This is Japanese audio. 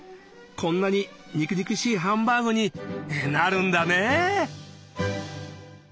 こんなに肉肉しいハンバーグになるんだね！